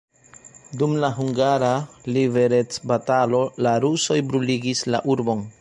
Dum la hungara liberecbatalo la rusoj bruligis la urbon.